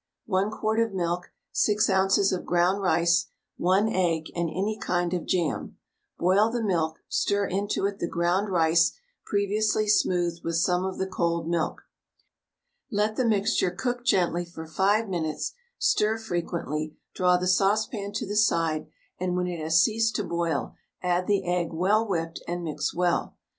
1 quart of milk, 6 oz. of ground rice, 1 egg, and any kind of jam. Boil the milk, stir into it the ground rice previously smoothed with some of the cold milk. Let the mixture gook gently for 5 minutes, stir frequently, draw the saucepan to the side, and when it has ceased to boil add the egg well whipped, and mix well.